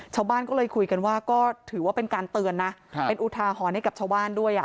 ชาวบ้านก็เลยคุยกันว่าก็ถือว่าเป็นการเตือนนะเป็นอุทาหรณ์ให้กับชาวบ้านด้วย